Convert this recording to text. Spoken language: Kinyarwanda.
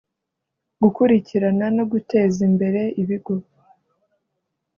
gukurikirana no guteza imbere ibigo